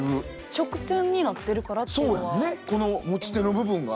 直線になってるからっていうのは。